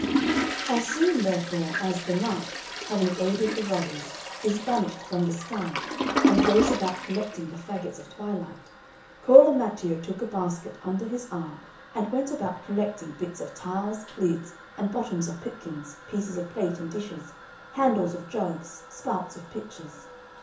As soon, therefore, as the Night, having aided the robbers, is banished from the sky, and goes about collecting the faggots of twilight, Cola Matteo took a basket under his arm, and went about collecting bits of tiles, lids and bottoms of pipkins, pieces of plate and dishes, handles of jugs, spouts of pitchers.